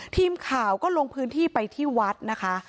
ทีมข่าวก็ลงพื้นที่ไปที่วัดนะคะ